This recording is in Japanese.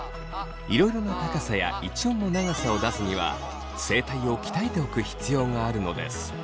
いろいろな高さや一音の長さを出すには声帯を鍛えておく必要があるのです。